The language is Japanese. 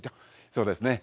そうですね。